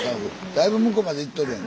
だいぶ向こうまで行っとるやん。